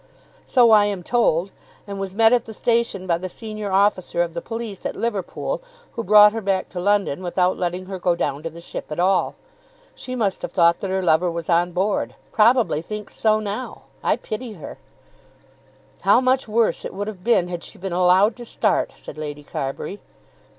"So I am told; and was met at the station by the senior officer of the police at Liverpool, who brought her back to London without letting her go down to the ship at all. She must have thought that her lover was on board; probably thinks so now. I pity her." "How much worse it would have been, had she been allowed to start," said Lady Carbury.